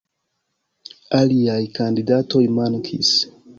Aliaj kandidatoj mankis.